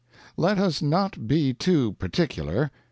Let us not be too particular.